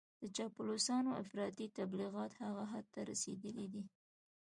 د چاپلوسانو افراطي تبليغات هغه حد ته رسېدلي دي.